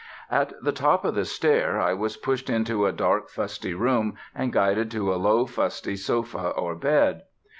At the top of the stair I was pushed into a dark, fusty room, and guided to a low, fusty sofa or bed.